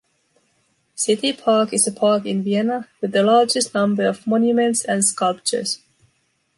City Park is a park in Vienna with the largest number of monuments and sculptures.